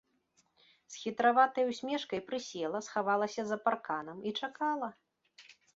З хітраватай усмешкай прысела, схавалася за парканам і чакала.